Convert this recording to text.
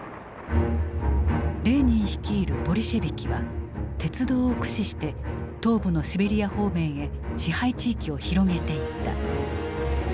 レーニン率いるボリシェビキは鉄道を駆使して東部のシベリア方面へ支配地域を広げていった。